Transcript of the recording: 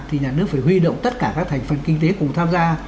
thì nhà nước phải huy động tất cả các thành phần kinh tế cùng tham gia